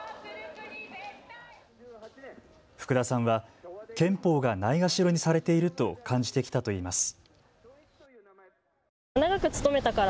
福田さんは憲法がないがしろにされていると感じてきたといいます。